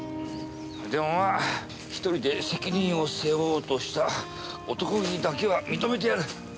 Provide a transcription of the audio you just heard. でもまあ一人で責任を背負おうとした男気だけは認めてやる。